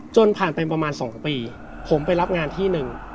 จนผ่านไปประมาณ๒ปีผมไปรับงานที่หนึ่ง